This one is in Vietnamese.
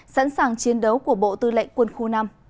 sẵn sàng chiến đấu của bộ tư lệnh quân khu năm